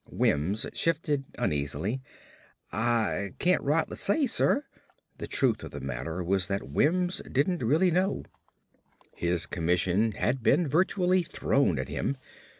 Wims shifted uneasily. "Ah cain't rightly say, suh." The truth of the matter was that Wims didn't really know. His commission had been virtually thrown at him.